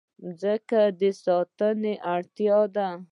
مځکه د ساتنې اړتیا لري.